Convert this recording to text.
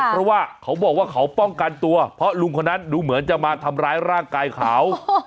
เพราะว่าเขาบอกว่าเขาป้องกันตัวเพราะลุงคนนั้นดูเหมือนจะมาทำร้ายร่างกายเขา